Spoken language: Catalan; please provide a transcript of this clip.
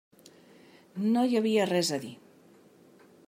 No hi havia res a dir.